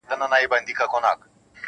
څوک به دي ستايي په چا به ویاړې؟ -